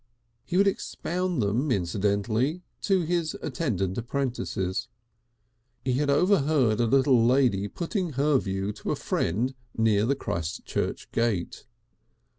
He would expound them incidentally to his attendant apprentices. He had overheard a little lady putting her view to a friend near the Christchurch gate.